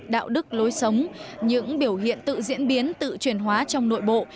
đạo đức lối sống những biểu hiện tự diễn biến tự truyền hóa trong nội bộ